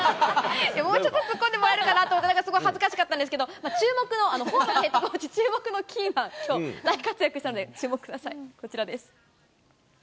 もうちょっと突っ込んでもらえるかなと思ったんですけど、すごい恥ずかしかったんですけど、注目のホーバスヘッドコーチ、注目のキーマン、大活躍したので、注目ください、こちらです。